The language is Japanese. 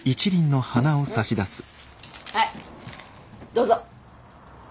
はいどうぞ。